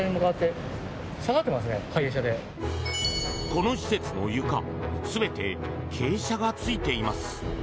この施設の床全て傾斜がついています。